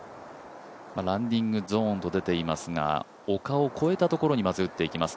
ランディングゾーンと出ていますが丘を越えたところにまず打っていきます。